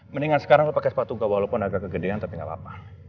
mendingan sekarang lo pake sepatu gua walaupun agak kegedean tapi enggak apa apa